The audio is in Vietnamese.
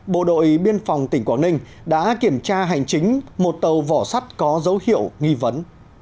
bộ đội biên phòng tỉnh quảng ninh đã kiểm tra hành chính một tàu vỏ sắt có dấu hiệu nghi vấn